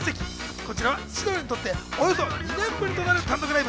こちらは千鳥にとってはおよそ２年ぶりとなる単独ライブ。